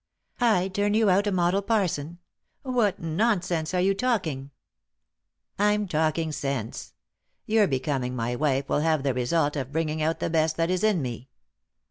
" I turn you out a model parson ? What nonsense are you talking ?"" I'm talking sense. Your becoming my wife will have the result of bringing out the best that is in me.